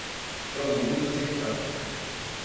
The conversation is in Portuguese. Trombudo Central